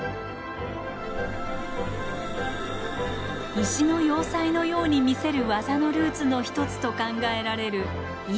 石の要塞のように見せる技のルーツの一つと考えられる出雲。